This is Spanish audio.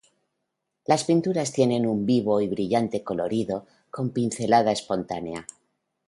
Las pinturas tienen un vivo y brillante colorido con pincelada espontánea.